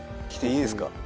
来ていいですか？